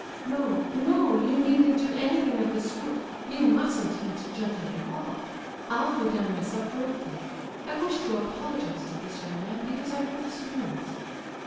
"No, no, you needn't do anything of the sort; you mustn't hint gently at all. I'll go down myself directly. I wish to apologize to this young man, because I hurt his feelings."